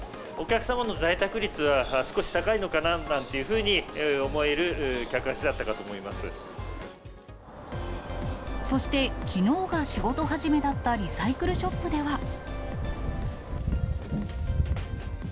お客様の在宅率は少し高いのかなんていうふうに思える客足だったそして、きのうが仕事始めだったリサイクルショップでは。